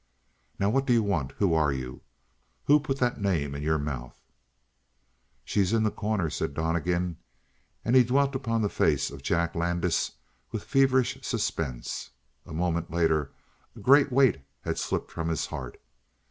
"Now what do you want? Who are you? Who put that name in your mouth?" "She's in The Corner," said Donnegan, and he dwelt upon the face of Jack Landis with feverish suspense. A moment later a great weight had slipped from his heart.